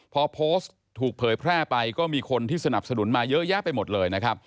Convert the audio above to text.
พอโพสต์ถูกเผยแพร่ไปก็มีคนที่สนับสนุนมาเยอะแยะไปหมดเลยนะครับ